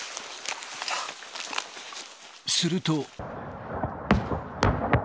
すると。